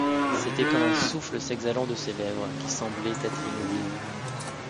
C’était comme un souffle s’exhalant de ses lèvres, qui semblaient être immobiles...